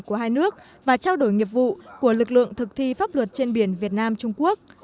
của hai nước và trao đổi nghiệp vụ của lực lượng thực thi pháp luật trên biển việt nam trung quốc